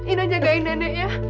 ina jaga nenek ya